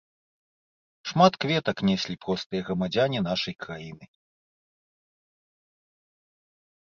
Шмат кветак неслі простыя грамадзяне нашай краіны.